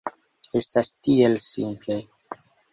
Estas tiel simple!